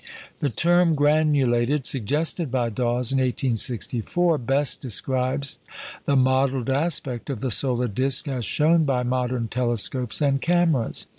The term "granulated," suggested by Dawes in 1864, best describes the mottled aspect of the solar disc as shown by modern telescopes and cameras.